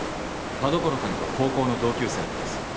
田所くんとは高校の同級生なんです。